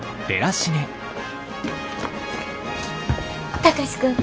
貴司君！